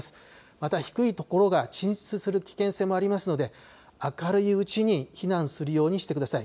また低い所が浸水する危険性もありますので明るいうちに避難するようにしてください。